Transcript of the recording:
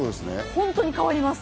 本当に変わります。